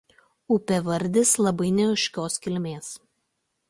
Upėvardis labai neaiškios kilmės.